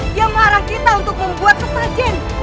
dia mengarah kita untuk membuat kesajian